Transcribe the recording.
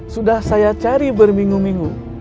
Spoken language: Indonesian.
sudah saya cari berminggu minggu